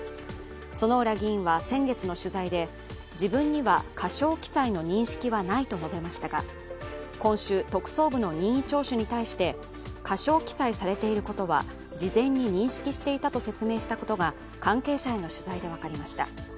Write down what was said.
薗浦議員は先月の取材で自分には過小記載の認識はないと述べましたが今週、特捜部の任意聴取に対して過少記載されていることは事前に認識していたと説明していたことが関係者への取材で分かりました。